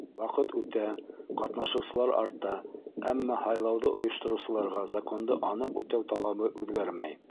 Ваҡыт үтә, ҡатнашыусылар арта, әммә һайлауҙы ойоштороусыларға законды аныҡ үтәү талабы үҙгәрмәй.